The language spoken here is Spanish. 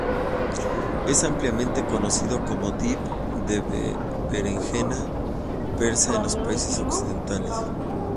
Es ampliamente conocido como Dip de berenjena persa en los países occidentales.